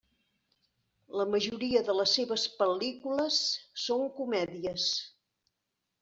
La majoria de les seves pel·lícules són comèdies.